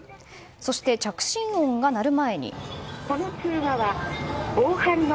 そして、着信音が鳴る前に。